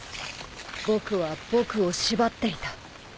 僕は僕を縛っていた。